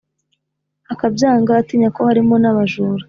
akabyanga atinya ko harimo n’abajura.